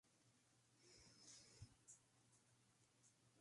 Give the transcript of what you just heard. Contiene una colección de arte mesopotámico.